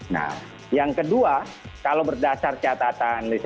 nah yang kedua kalau berdasar catatan riset dasar kesehatan kebenaran kesehatan sendiri saja